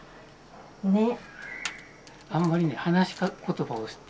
ねっ。